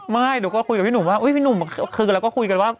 หนูก็คุยกับพี่หนุ่มว่าพี่หนุ่มคือเราก็คุยกันว่า